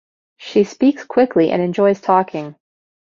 She speaks quickly and enjoys talking.